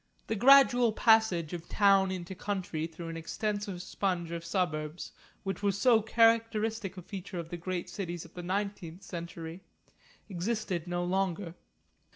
That gradual passage of town into country through an extensive sponge of suburbs, which was so characteristic a feature of the great cities of the nineteenth century, existed no longer.